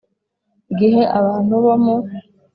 Igihe abantu bo mu